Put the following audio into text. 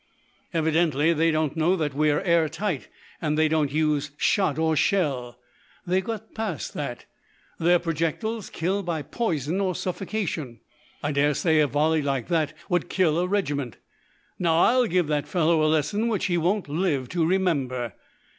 "Evidently they don't know that we are air tight, and they don't use shot or shell. They've got past that. Their projectiles kill by poison or suffocation. I daresay a volley like that would kill a regiment. Now I'll give that fellow a lesson which he won't live to remember."